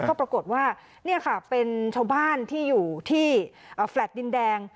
ก็ปรากฏว่านี่ค่ะเป็นชาวบ้านที่อยู่ที่แฟลต์ดินแดง